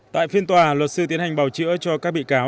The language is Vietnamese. tại phiên tòa luật sư tiến hành bào chữa cho các bị cáo